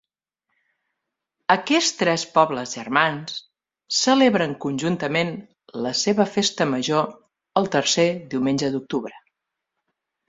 Aquests tres pobles germans celebren conjuntament la seva Festa Major el tercer diumenge d'octubre.